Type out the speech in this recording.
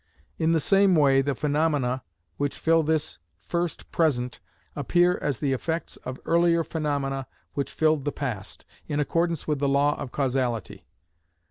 In the same way, the phenomena which fill this first present appear as the effects of earlier phenomena which filled the past, in accordance with the law of causality.